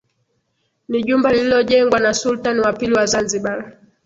Ni jumba lililojengwa na Sultan wa pili wa Zanzibar